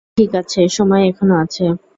ঠিক আছে, সময় এখনও আছে।